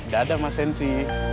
dadah mas sensi